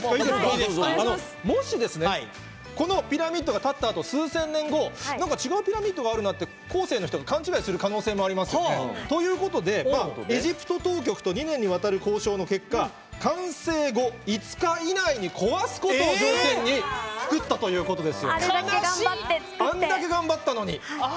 もし、このピラミッドがたったあと数千年後違うピラミッドがあるなって後世の人が勘違いする可能性がありますよね。ということでエジプト当局で２年にわたる交渉の結果完成後５日以内に壊すことを条件に造ったというはにゃ！